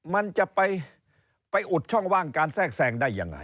มันจะไปอุดช่องว่างการแทรกแทรงได้ยังไง